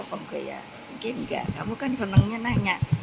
mungkin tidak kamu kan senangnya nanya